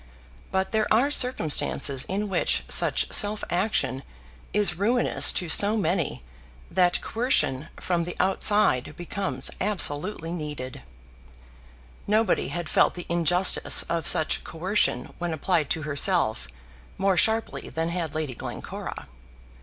But there are circumstances in which such self action is ruinous to so many that coercion from the outside becomes absolutely needed. Nobody had felt the injustice of such coercion when applied to herself more sharply than had Lady Glencora.